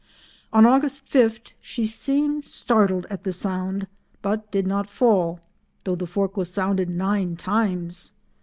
On August 5 she seemed startled at the sound but did not fall, though the fork was sounded nine times.